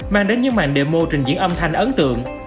mang đến những màn demo trình diễn âm thanh ấn tượng